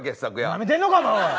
なめてんのかお前おい！